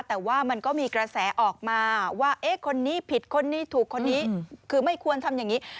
แต่ว่ามันก็มีกระแสออกมาว่าคนนี้ผิดคนนี้ถูกคนนี้คือไม่ควรทำอย่างนี้